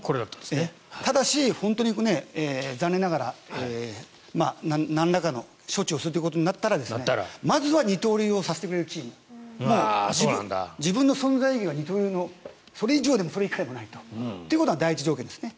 ただし、残念ながらなんらかの処置をすることになったらまずは二刀流をさせてくれるチームだと。自分の存在意義は二刀流でそれ以上でもそれ以下でもないということが第一条件ですね。